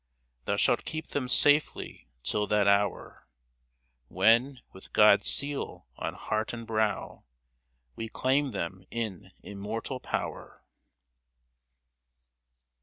Thou Shalt keep them safely till that hour When, with God's seal on heart and brow, We claim them in immortal power